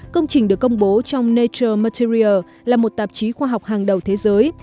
công trình được công bố trong nature matrier là một tạp chí khoa học hàng đầu thế giới